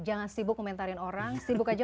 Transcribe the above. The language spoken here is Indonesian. jangan sibuk komentarin orang sibuk aja